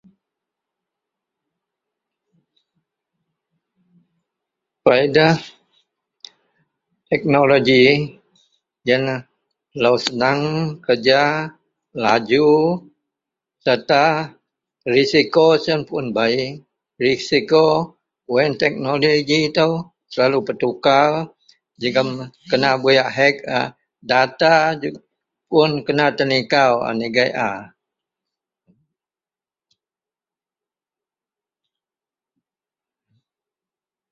peadah teknologi ienlah telou senang kerja laju serta resiko sien pun bei, resiko wak ien teknologi itou selalu petukar jegum kena buyak hek a, data pun kena tenikau a nigek a